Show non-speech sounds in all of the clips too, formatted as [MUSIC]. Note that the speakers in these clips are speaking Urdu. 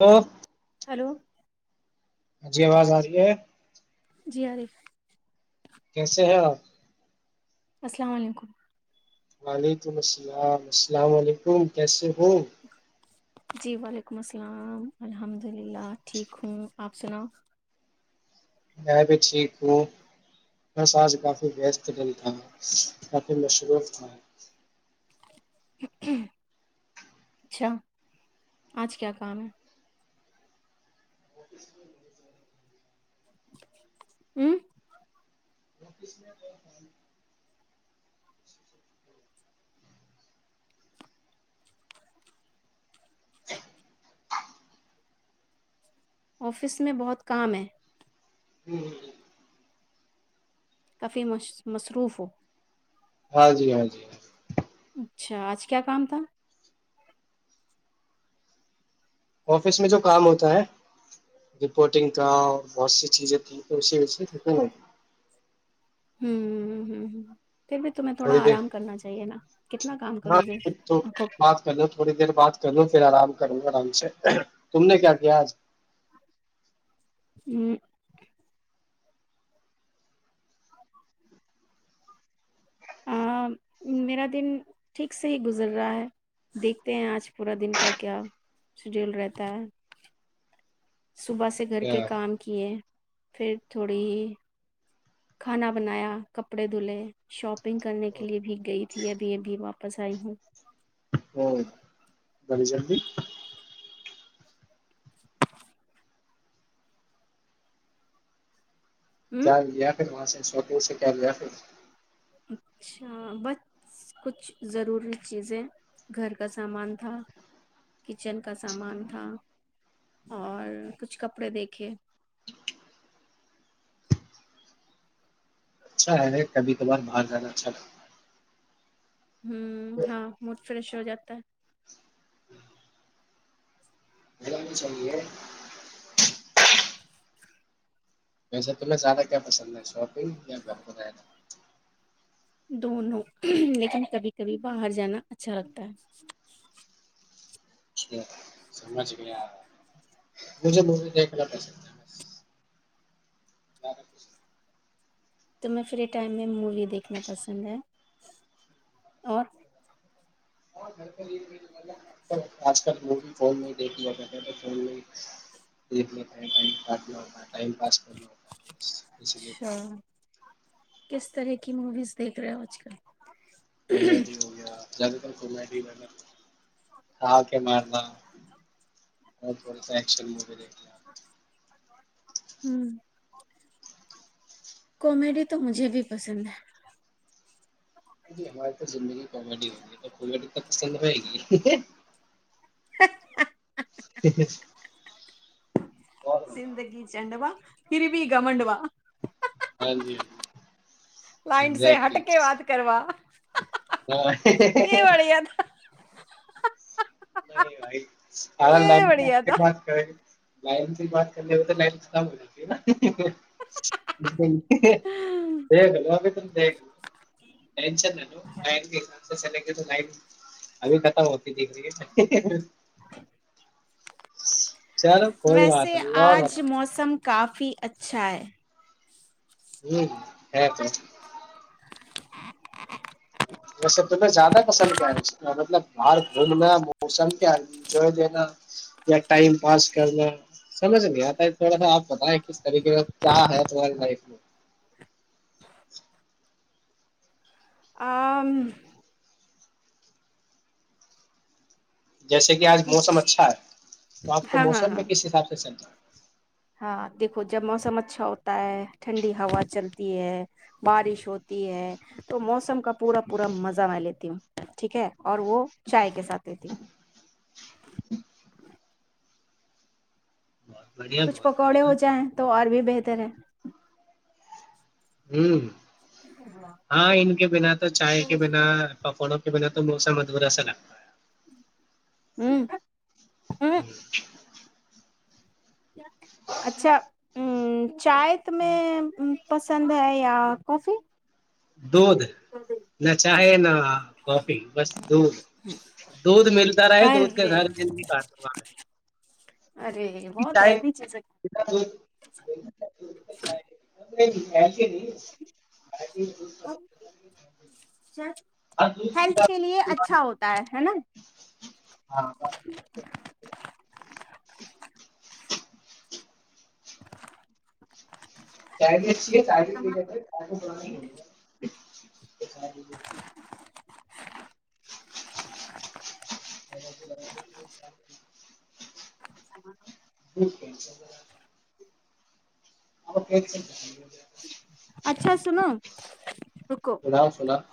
ہ [UNINTELLIGIBLE] ہلو [UNINTELLIGIBLE] ہ جی آواز آ رہی ہے [UNINTELLIGIBLE] جی آر ایف [UNINTELLIGIBLE] کیسے ہے آپ السلام علیکم وعلیکم السلام السلام علیکم کیسے ہوں جی وعلیکم السلام الحمد للہ ٹھیک ہوں آپ سناؤ میں بھی ٹھیک ہوں بس آج کافی وست ڈلتا ہوں کافی مصروف ہے اچھا آج کیا کام ہے [INAUDIBLE] ہوں [UNINTELLIGIBLE] وفس میں تھڑا [UNINTELLIGIBLE] ج [UNINTELLIGIBLE] آفس میں بہت کام ہے ہوں [UNINTELLIGIBLE] کافی مصروف ہو ہاں جی ہاں جی اچھا آج کیا کام تھا آفس میں جو کام ہوتا ہے رپورٹنگ کا بہت سی چیزیں تھی اسی و ہوں ہ ہ [UNINTELLIGIBLE] پھر بھی تمہیں تھوڑا تھوڑی دیر آرام کرنا چاہیے نا کتنا کام ہاں کرو گے تو آ کو بات کر لو تھوڑی دیر بات کر لو پھر آرام کروں آرام سے تم نے کیا کیا آج ہوں [UNINTELLIGIBLE] آ، میرا دن ٹھیک سے ہی گزر رہا ہے دیکھتے ہیں آج پورا دن کا کیا شیڈیول رہتا ہے صبح سے گھر کے اچھا، کام کیے پھر تھوڑی ہی کھانا بنایا کپڑے دھلہے شاپ شاپنگ کرنے کے لیے بھی گئی تھی ابھی ابھی واپ پس آئی ہوں [UNINTELLIGIBLE] ہوں بلی ج بھی [UNINTELLIGIBLE] [INAUDIBLE] ہوں کیا کر وہاںس ہے [UNINTELLIGIBLE] اورٹ سے کیا گیا پھر [UNINTELLIGIBLE] اچھا بس کچھ ضروری چیزیں گھر کا سامان تھا کچن کا سامان تھا اور کچھ کپڑے دیکھے اچھا ہے کبھی ک بھار باہر جانا اچھا لگتا ہے ہ ہاں مڈ فریش ہو جاتا تو [UNINTELLIGIBLE] ا مے چلیے [UNINTELLIGIBLE] ویسے تمہیں زیادہ کیا پسند ہے شاپنگ یا گھر ب دونوں لیکن کبھی کبھی باہر جانا اچھا لگتا ہے سمجھ گیا مجھے م دیکھنا پسند [UNINTELLIGIBLE] زرا ک [UNINTELLIGIBLE] توم فری ٹائم میں مووی دیکھنا پسند ہے اور ھر آج کل وہ بھی فون میں ہی دیکھ لیا تو فون میں ہی دیکھ لیتا ہےم کاٹ ہوتا ہے ٹائم پاس کرنا ہوتا اسی لیے [UNINTELLIGIBLE] اچھا کس طرح کی مویزیکھ رہے ہو آج کل سلہ ہو گیا زیادہ تر گھمائ گ نگر ہاںکے مار ہ اورچ م د ہ کامیڈی تو مجھے بھی پسند ہے ای ہماری تو زندگی کامیڈی ہوگی تو کامیڈی تو پسند رہئے گی پکس زندگی بتاؤ چڈبا اری بھی گ مڈوا ہاں جی لائن سے ہٹ ایگزیکٹلی کے بات کروا ہاں یہ بڑھیا تھا نہیں یہ بڑھیا لائ تھا بات لائن سے بات کرنی ہو تو لائن ختم ہو جاتی ہے نا گب تو گ ٹشن بھی ابھی ختم ہوتی تھیٹ ہ [INAUDIBLE] چلو کوئی ویسے بات نہیں اور آج بتاؤ موسم کافی اچھا ہے ہ ہے پ ویسے تمہیں زیادہ پسند کیا مطلب باہر گھومنا موسم کیا انجوائے دینا یا ٹائم پاس کرنا سمجھ نہیں آتا ہے تھوڑا سا آپ بتائیں کس طریقے کا کیا ہے تمہاری لائف میں آ جیسے کہ آج موسم اچھا ہے تو آپ کو ہاں ہاں موسم ہاں میں کس حساب سے چلتا ہوں ہاں دیکھو جب موسم اچھا ہوتا ہے ٹھنڈی ہوا چلتی ہے بارش ہوتی ہے تو موسم کا پورا پورا مزہ میں لیتی ہوں ٹھیک ہے اور وہ چائے کے ساتھ رہ تھی بڑھیا کچھ بہت پکوڑے بڑھیا ہو جائیں تو اورر بھی بہتر ہے ہوں ہاں ان کے بنا تو چائے کے بنا پکوڑوں بنا تو موسم ادبا سا لگتا ہے ہوں ہوں [INAUDIBLE] اچھا ہ چائے تمہیں پسند ہے یا کافی [UNINTELLIGIBLE] دھ نہ چاہے نہ [UNINTELLIGIBLE] ہاں [INAUDIBLE] کافی بس دھ دودھ ملتا رہے دھ کے ارے ساری کاٹ د گا [UNINTELLIGIBLE] ارے بہت چائے [INAUDIBLE] ہے ہیلدی چیزیں کھاتے ہیں [INAUDIBLE] ہم۔ ہیلتھ کے لیے اچھا ہوتا ہے ہے نا ہاں [INAUDIBLE] چاہ [INAUDIBLE] [INAUDIBLE] [INAUDIBLE] [UNINTELLIGIBLE] جٹک [INAUDIBLE] [INAUDIBLE] آپ [INAUDIBLE] اچھا سن [INAUDIBLE] بدام سنا [INAUDIBLE]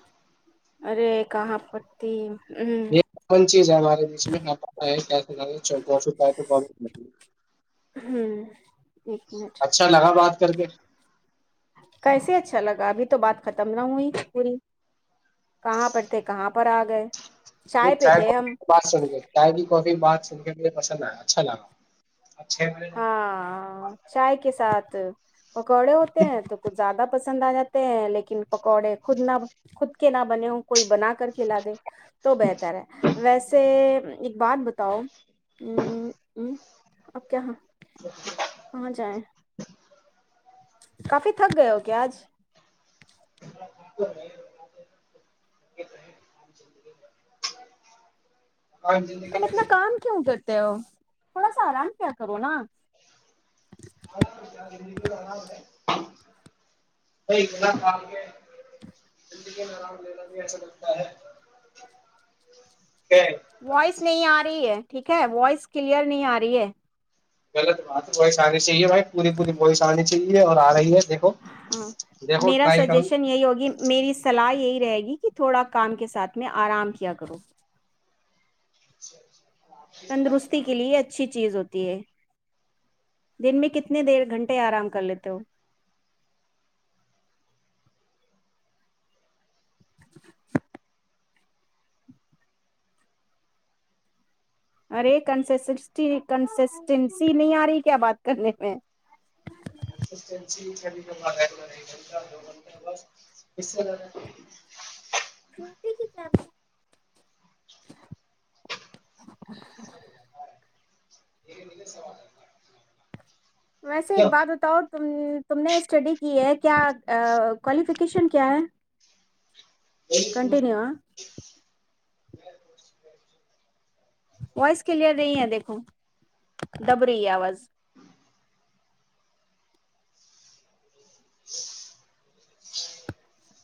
ارے کہاں پتی [UNINTELLIGIBLE] یہ کون چیز ہے ہمارے بیچ میں [UNINTELLIGIBLE] چفی پائے تو ب [UNINTELLIGIBLE] ہاں [INAUDIBLE] اچھا لگا بات [UNINTELLIGIBLE] کر کے [INAUDIBLE] کیسے اچھا لگا ابھی تو بات ختم نہ ہوئی پوری [UNINTELLIGIBLE] کہاں پرڑ تھے کہاں پر [UNINTELLIGIBLE] پر آ گئے [INAUDIBLE] وہ پہ چائے تھے کافی ہم بعات سن کے چائے کی کافی بعات سن کے مجھے پسند آیا [UNINTELLIGIBLE] اچھا ل [INAUDIBLE] ہاں چائے کے ساتھ [UNINTELLIGIBLE] تو [INAUDIBLE] پکوڑے ہوتے ہیں تو کچھ زیادہ پسند [UNINTELLIGIBLE] پسند آ جاتے ہیں لیکن [UNINTELLIGIBLE] پکوڑے خود ن خود [UNINTELLIGIBLE] کہ نہ بنے ہو کوئی بنا کے کر کھلا دیں تو بہتر ہے ویسے ایک بات بتاؤ آ کیااں کہاں جائے کافی تھک گئے ہو کیا آج السلام علیکم محترم توم اتنا کام کیوں کر تھوڑا سا آرام پیا کرو نا آرام ہے آرام لینا بھی ایسا لگتا ہے کہ وائس نہیں آ رہی ہے ٹھیک ہے وائس کلیئر نہیں آ رہی ہے غلط بات ہے وائش آنی چاہیے بھائی پوری پوری وواہش آنی چاہیے اور آ رہی ہے دیکھو ہاں دیکھو میرا ٹرائی کروں سجیشن یہی ہوگی میری سلاح یہی رہے گی کہ تھوڑا کام کے ساتھ میں آرام کیا کرو تندرستی کے لیے اچھی چیز ہوتی دن میں کتنے دیر گھنٹے آرام کر لیتے ہو ارے کن کنسسٹینسی نہیں آ رہی کیا بات کرنے میں گ گھنٹہ دو گنٹہ بس فوٹی کی کیاام سری ل رہ السلام علیکم محترم بھائی ویسے ایک بات بتاؤ ت تم نے اسٹڈی کی ہے کیا کوالیفیکیشن کیا ہے کنٹینیو آ ب وائس کلیئر نہیں ہے دیکھو دب رہی ہے آواز السلام علیکم محترم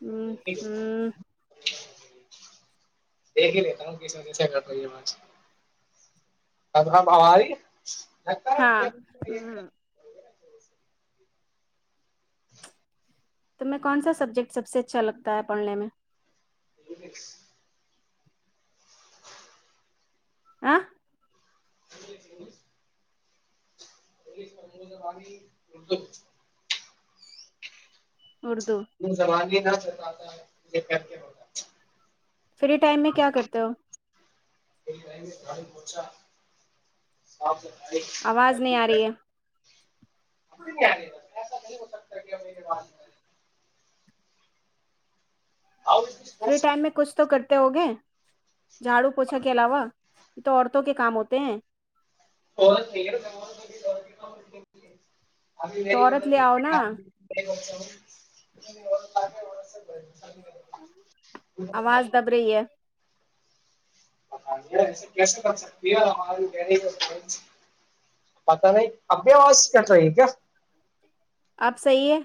ہوں ہوں دیک ہی لیتا ہوں کس وجہ سے کر رہی ہے آج کب ہماری لگتا ہاں ہے ہ تمیں کون سا سبجیکٹ سب سے اچھا لگتا ہے پڑھنے میں ج آ ج اد اردو ہ سمگے ت ہے لے کر کے ہوگ فری ٹائم میں کیا کرتے ہو گڑ پہنچاپ [UNINTELLIGIBLE] آواز نہیں آ رہی ہے اب نہیں آ رہ ایسا نہیں ہو سکتا کیا دس فری پاسبل ٹائم میں کچھ تو کرتے ہوگئے جھاڑو پوچھا کے علاوہ یہ تو عورتوں کے کام ہوتے ہیں بت تو [UNINTELLIGIBLE] عورت لے آؤ نا ابھیی [UNINTELLIGIBLE] آواز دب رہی ہے س کر سکتی ہم پتا نہیں ابھیوس کر رہی ہے کیا آپ صی ہے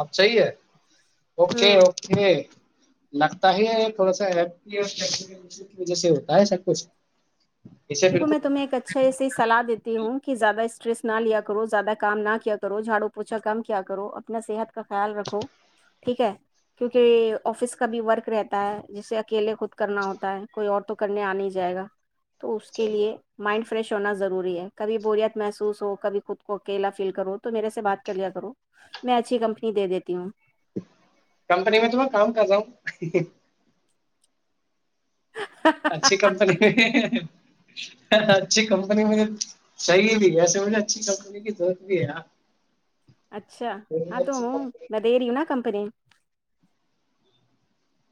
اب چاہیے اوکے ہوں اوکے لگتا ہی تھوڑا سا وجہ سے ہوتا ہے سب کچھ اسے دیکھو میں بالکل تمہیں ایک اچھے سے صلاح دیتی ہوں کہ زیادہ اسٹریس نہ لیا کرو زیادہ کام نہ کیا کرو جھاڑو پوچھا کام کیا کرو اپنا صحت کا خیال رکھو ٹھیک ہے کیونکہ آفس کا بھی ورک رہتا ہے جیسے اکیلے خود کرنا ہوتا ہے کوئی اور تو کرنے آ نہیں جائے گا تو اس کے لیے مائنڈ فریش ہونا ضروری ہے کبھی بوریت محسوس ہو کبھی خود کو اکیلا فیل کرو تو میرے سے بات کر لیا کرو میں اچھی کمپنی دے دیتی ہوں کمپنی میں تو میں کام کر جاؤں اچھی کمپنی میں اچھی کمپنی مجھے چاہیے بھی ایسے مجھے اچھی کمپنی کی دست بھی ہے اچھا ہاں تو اچھی ہوں کمپنی میں دے رہی ہوں نا کمپنی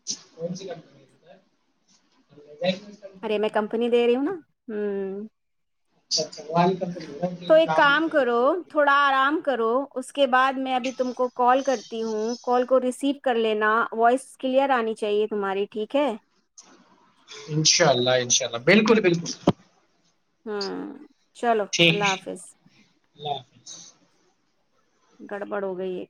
چ کمپنی ارے میں اچھا کمپنی دے رہی ہوں نا ہوں اچھا اچھا و تو ایک کام تو کرو بت تھوڑا آرام کرو اس کے اس کے بعد میں ابھی تم کو کال کر ہوں کال کو ریسیو کر لینا وائس کلیئر آنی چاہیے تمہاری ٹھیک ہے انشاء اللہ انشاء اللہ بالکل بالکل ہاں چلو اللہ حافظ جچ گڑبڑ ہو گئی ہے